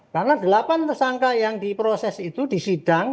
karena delapan tersangka yang diproses itu disidang